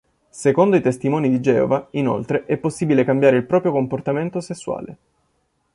Secondo i Testimoni di Geova, inoltre, è possibile cambiare il proprio comportamento sessuale.